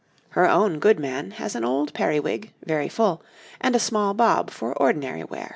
Her own goodman has an old periwig, very full, and a small bob for ordinary wear.